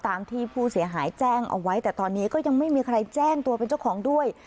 ตามที่ผู้เสียหายแจ้งเอาไว้แต่ตอนนี้ก็ยังไม่มีใครแจ้งตัวเป็นเจ้าของด้วย